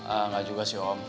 enggak juga sih om